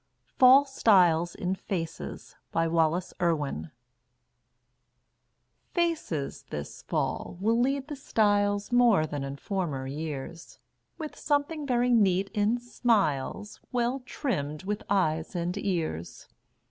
FALL STYLES IN FACES BY WALLACE IRWIN Faces this Fall will lead the styles More than in former years With something very neat in smiles Well trimmed with eyes and ears.